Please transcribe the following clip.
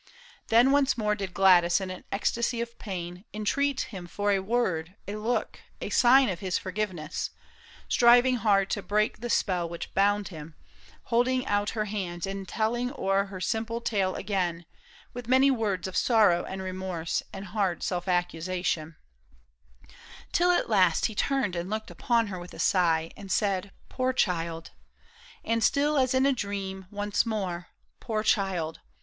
Then once more Did Gladys in an ecstasy of pain Entreat him for a word, a look, a sign Of his forgiveness ; striving hard to break The spell which bound him, holding out her hands And telling o'er her simple tale again With many words of sorrow and remorse And hard self accusation ; till at last He turned and looked upon her with a sigh And said, " Poor child !" and still as in a dream, Once more, " Poor child